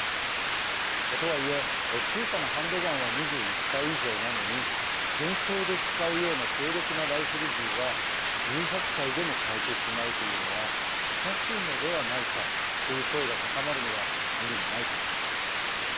とはいえ、小さなハンドガンは２１歳以上なのに戦争で使うような強力なライフル銃は１８歳でも買えてしまうというのはおかしいのではないかという声が高まるのは、無理もないことです。